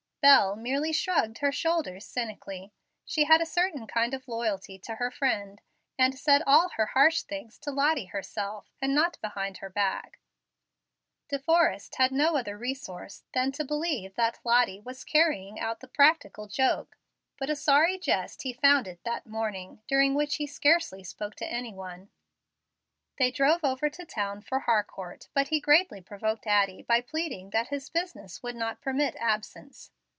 Bel merely shrugged her shoulders cynically. She had a certain kind of loyalty to her friend, and said all her harsh things to Lottie herself, and not behind her back. De Forrest had no other resource than to believe that Lottie was carrying out the practical joke; but a sorry jest he found it that morning, during which he scarcely spoke to any one. They drove over to town for Harcourt, but he greatly provoked Addie by pleading that his business would not permit absence.